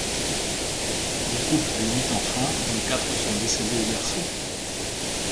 Le couple a huit enfants, dont quatre sont décédés au berceau.